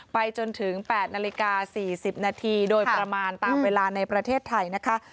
ไปจนถึง๘นาฬิกา๔๐นาทีโดยประมาณตามเวลาในประเทศไทยนะคะ